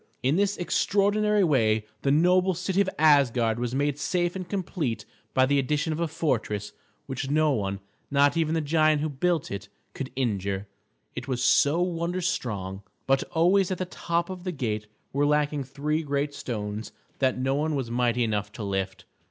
In this extraordinary way the noble city of Asgard was made safe and complete by the addition of a fortress which no one, not even the giant who built it, could injure, it was so wonder strong. But always at the top of the gate were lacking three great stones that no one was mighty enough to lift.